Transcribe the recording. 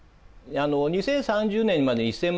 ２０３０年までに１，０００万